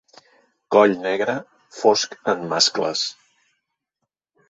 Coll negre fosc en mascles.